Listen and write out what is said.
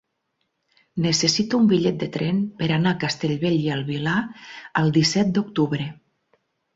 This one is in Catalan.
Necessito un bitllet de tren per anar a Castellbell i el Vilar el disset d'octubre.